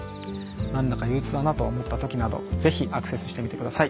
なんだか憂鬱だなと思ったときなどぜひアクセスしてみてください。